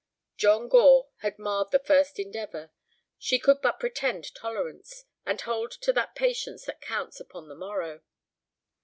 John Gore had marred the first endeavor. She could but pretend tolerance, and hold to that patience that counts upon the morrow.